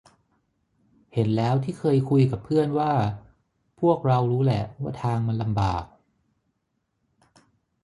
เห็นแล้วที่เคยคุยกับเพื่อนว่า พวกเรารู้แหละว่าทางมันลำบาก